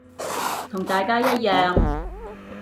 同大家一樣